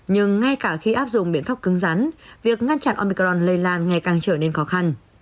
nhưng ngay cả khi áp dụng biện pháp cứng rắn việc ngăn chặn omicron lây lan ngày càng trở nên khó khăn